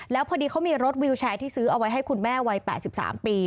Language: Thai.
แล้วพอดีเขามีรถวิวแชร์ที่ซื้อเอาไว้ให้คุณแม่วัย๘๓ปี